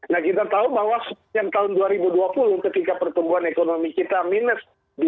nah kita tahu bahwa sepanjang tahun dua ribu dua puluh ketika pertumbuhan ekonomi kita minus dua